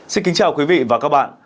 xin kính chào quý vị và các bạn